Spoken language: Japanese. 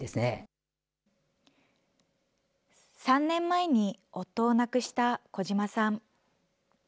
３年前に夫を亡くした児島さん。